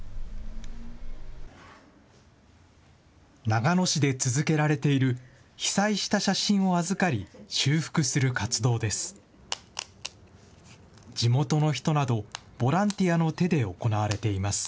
長野市で続けられている、被災した写真を預かり、修復する活動です。